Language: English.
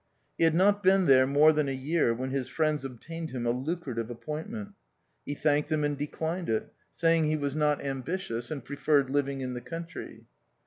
He had not been there more than a year when his friends obtained him a lucrative appointment. He thanked them and declined it, saying he was not ambi THE OUTCAST. 59 tious, and preferred living in the country.